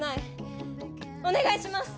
お願いします！